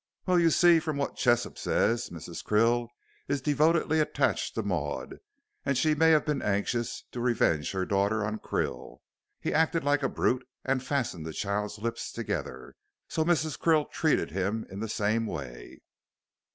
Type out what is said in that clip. "Well, you see, from what Jessop says, Mrs. Krill is devotedly attached to Maud, and she may have been anxious to revenge her daughter on Krill. He acted like a brute and fastened the child's lips together, so Mrs. Krill treated him in the same way."